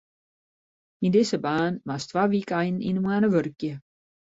Yn dizze baan moatst twa wykeinen yn 'e moanne wurkje.